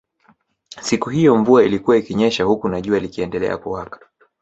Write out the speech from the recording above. Siku hiyo mvua ilikuwa ikinyesha huku na jua likiendelea kuwaka